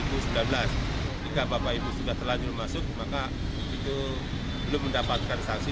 ketika bapak ibu sudah terlanjur masuk maka itu belum mendapatkan sanksi